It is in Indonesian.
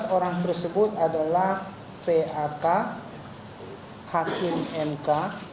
sebelas orang tersebut adalah pak hakim mk